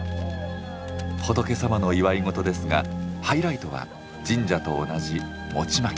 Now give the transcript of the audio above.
仏様の祝い事ですがハイライトは神社と同じ餅まき。